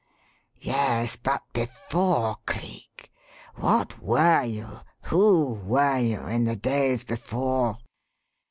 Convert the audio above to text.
"Yes, but before, Cleek? What were you, who were you, in the days before?"